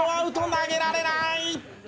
投げられない」